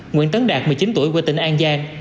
nguyễn tấn đạt một mươi chín tuổi quê tỉnh an giang